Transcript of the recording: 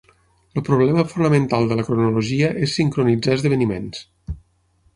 El problema fonamental de la cronologia és sincronitzar esdeveniments.